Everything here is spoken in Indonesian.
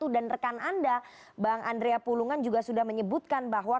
dan rekan anda bang andrea pulungan juga sudah menyebutkan bahwa